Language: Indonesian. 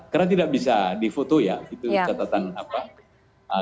karena tidak bisa di foto ya catatan apa